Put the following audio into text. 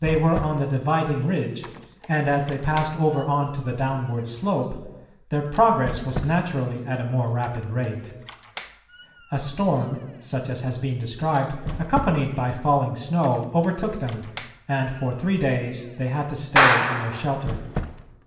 They were on the dividing ridge and, as they passed over on to the downward slope, their progress was naturally at a more rapid rate. A storm, such as has been described, accompanied by falling snow, overtook them, and for three days they had to stay in their shelter.